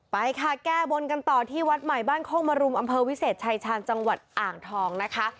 ไปค่ะแก้บนกันต่อที่วัดใหม่บ้านโคกมรุมอำเภอวิเศษชายชาญจังหวัดอ่างทองนะคะ